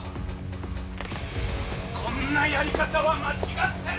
「こんなやり方は間違ってる！」